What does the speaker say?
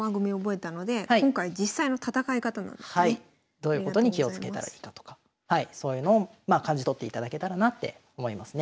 どういうことに気をつけたらいいだとかそういうのを感じ取っていただけたらなって思いますね。